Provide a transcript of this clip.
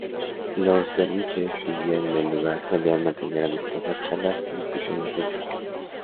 Los derviches que vivían en el lugar solían mantener amistosas charlas y discusiones científicas.